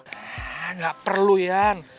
nah nggak perlu yaan